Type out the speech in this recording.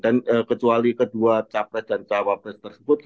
dan kecuali kedua capres dan jawa pres tersebut